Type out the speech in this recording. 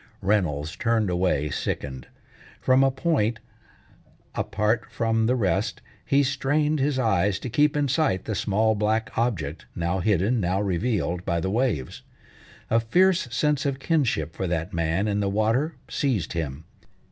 Reynolds turned away sickened. From a point, apart from the rest, he strained his eyes to keep in sight the small black object now hidden, now revealed, by the waves. A fierce sense of kinship for that man in the water seized him.